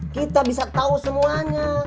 kita bisa tahu semuanya